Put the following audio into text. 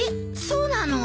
そうなの？